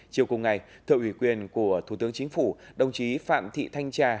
chiều cùng ngày thợ ủy quyền của thủ tướng chính phủ đồng chí phạm thị thanh trà